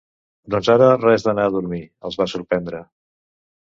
Doncs ara res d'anar a dormir —els va sorprendre—.